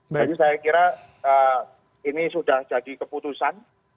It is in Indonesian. jadi saya kira ini sudah jadi keputusan